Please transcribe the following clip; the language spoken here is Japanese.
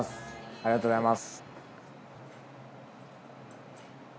ありがとうございます。